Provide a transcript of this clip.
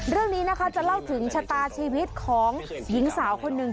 เรื่องนี้นะคะจะเล่าถึงชะตาชีวิตของหญิงสาวคนหนึ่ง